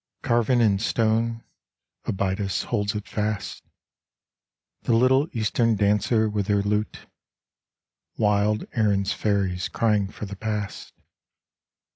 Carven in stone, Abydos holds it fast The little Eastern dancer with her lute, Wild Erin's faeries crying for the past.